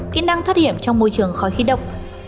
kỹ năng thoát hiểm trong môi trường khói khí độc